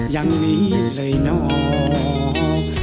อย่างนี้เลยน้อง